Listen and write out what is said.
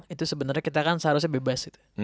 itu sebenernya kita kan seharusnya bebas gitu